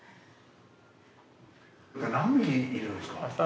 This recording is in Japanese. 何匹いるんですか？